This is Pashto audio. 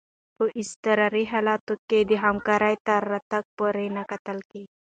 په اضطراري حالاتو کي د همکار تر راتګ پوري نه کتل.